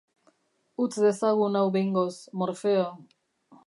Utz dezagun hau behingoz, Morfeo.